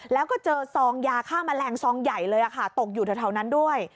แล้วก็เจอซองยาฆ่าแมลงซองใหญ่เลยค่ะตกอยู่แถวนั้นด้วย